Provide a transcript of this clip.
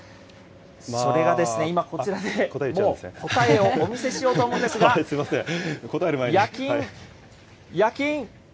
それがですね、今こちらで、もう答えをお見せしようと思うんですが、焼き印、焼き印。